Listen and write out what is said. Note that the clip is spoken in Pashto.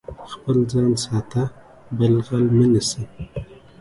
خپل ځان ساته، بل غل مه نيسه.